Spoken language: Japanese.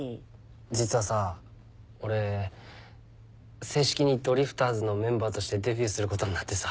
実はさ俺正式にドリフターズのメンバーとしてデビューすることになってさ。